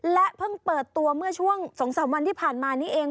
และเพิ่งเปิดตัวเมื่อช่วง๒๓วันที่ผ่านมานี่เอง